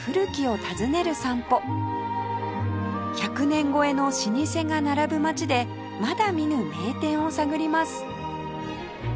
１００年超えの老舗が並ぶ街でまだ見ぬ名店を探ります